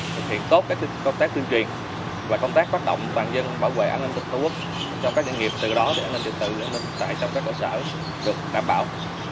thực hiện tốt công tác tuyên truyền và công tác phát động toàn dân bảo vệ an ninh trật tự trong các doanh nghiệp từ đó để an ninh trật tự tại trong các cơ sở được đảm bảo